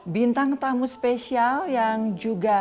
bintang tamu spesial yang juga